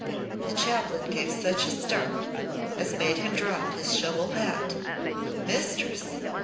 The chaplain gave such a start as made him drop his shovel hat. "Mistress!"